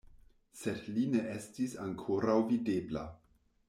Sed li ne estis ankoraŭ videbla.